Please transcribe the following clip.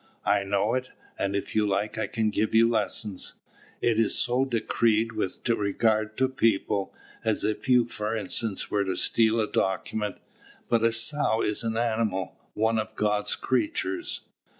"I know it; and, if you like, I can give you lessons. It is so decreed with regard to people, as if you, for instance, were to steal a document; but a sow is an animal, one of God's creatures."